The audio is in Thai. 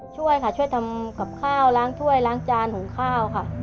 ช่วยค่ะช่วยทำกับข้าวล้างถ้วยล้างจานหุงข้าวค่ะ